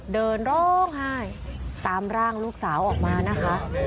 เดินร้องไห้ตามร่างลูกสาวออกมานะคะ